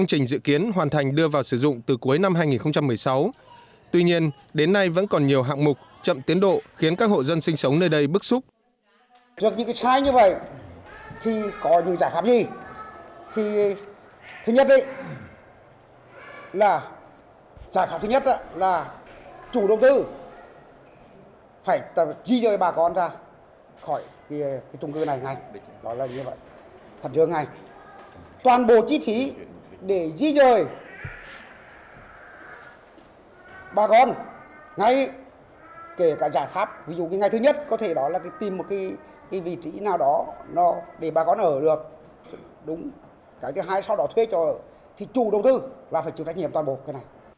cái thứ hai sau đó thuê cho chủ đầu tư là phải chịu trách nhiệm toàn bộ